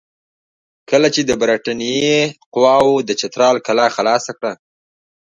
کله چې د برټانیې قواوو د چترال کلا خلاصه کړه.